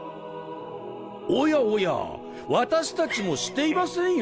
おやおや私たちもしていませんよ？